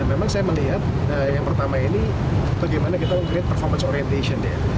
dan memang saya melihat yang pertama ini bagaimana kita melakukan performance orientation